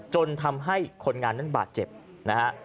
จนทำให้คนงานนั้นบาดเจ็บนะฮะ